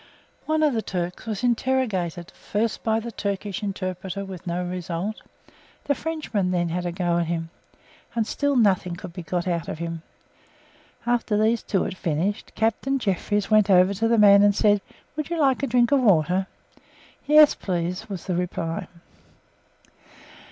One of the Turks was interrogated, first by the Turkish interpreter with no result; the Frenchman then had a go at him, and still nothing could be got out of him. After these two had finished, Captain Jefferies went over to the man and said, "Would you like a drink of water?" "Yes, please," was the reply.